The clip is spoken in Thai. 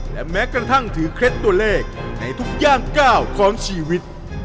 และแม้กระทั่งถือเคล็ดตัวเลขในทุกย่างก้าวของชีวิต